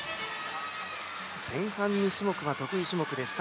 前半、２種目は得意種目でした